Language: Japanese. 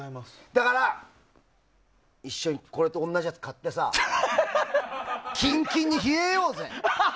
だから、一緒にこれと同じやつを買ってさキンキンに冷えようぜ！